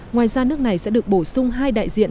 ngoài ra nước này sẽ được bổ sung hai đại diện